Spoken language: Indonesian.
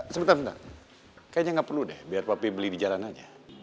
sebentar sebentar kayaknya enggak perlu deh biar papi beli di jalanan